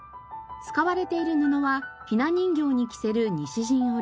使われている布はひな人形に着せる西陣織。